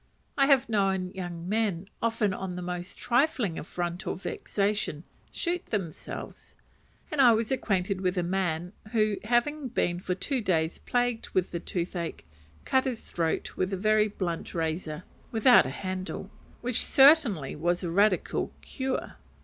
I have known young men, often on the most trifling affront or vexation, shoot themselves; and I was acquainted with a man who, having been for two days plagued with the toothache, cut his throat with a very blunt razor, without a handle: which certainly was a radical cure.